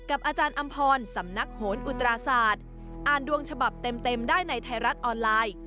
อาจารย์อำพรสำนักโหนอุตราศาสตร์อ่านดวงฉบับเต็มได้ในไทยรัฐออนไลน์